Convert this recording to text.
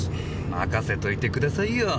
任せといてくださいよ！